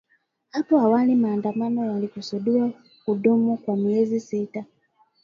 Hapo awali maandamano yalikusudiwa kudumu kwa miezi sita.